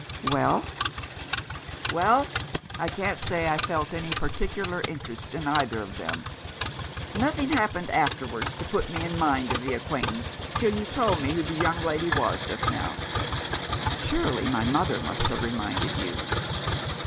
"Well?" "Well, I can't say I felt any particular interest in either of them. Nothing happened afterwards to put me in mind of the acquaintance till you told me who the young lady was, just now. "Surely my mother must have reminded you?"